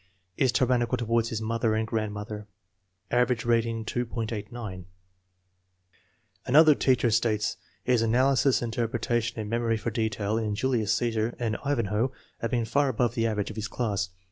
Is tyrannical toward his mother and grand mother. Average rating, 2.89. Another teacher states: "His analysis, interpreta tion and memory for detail in Julius Ccesar and Ivan hoe have been far above the average of his class."